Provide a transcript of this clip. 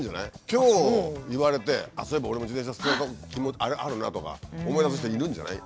今日言われてあっそういえば俺も自転車捨てたことあるなとか思い出す人いるんじゃない？